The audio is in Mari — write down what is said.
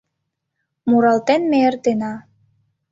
Муралтен ме эртена